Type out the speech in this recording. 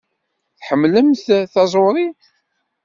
Tḥemmlemt taẓuṛi?